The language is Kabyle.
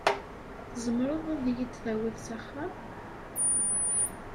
Tzemreḍ ad iyi-tawiḍ s axxam?